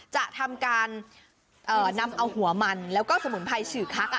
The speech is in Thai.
จะทำการนำเอาหัวมันแล้วก็สมุนไพรฉือคัก